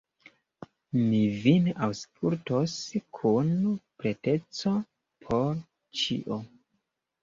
Mi vin aŭskultos kun preteco por ĉio.